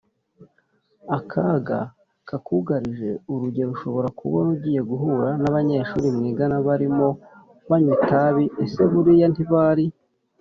akaga kakugarije Urugero ushobora kubona ugiye guhura n abanyeshuri mwigana barimo banywa itabi Ese buriya ntibari